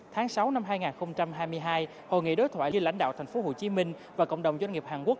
tháng sáu năm hai nghìn hai mươi hai hội nghị đối thoại giữa lãnh đạo thành phố hồ chí minh và cộng đồng doanh nghiệp hàn quốc